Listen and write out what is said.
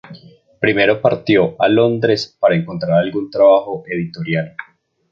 Primero partió a Londres para encontrar algún trabajo editorial.